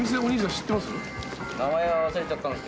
知ってます？